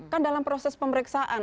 kan dalam proses pemeriksaan